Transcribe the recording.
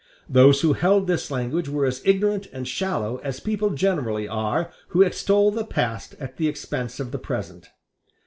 Those who held this language were as ignorant and shallow as people generally are who extol the past at the expense of the present.